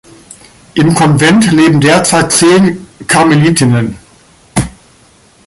Im Konvent leben derzeit zehn Karmelitinnen.